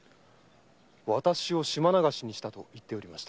「私を島流しにした」と言っていました。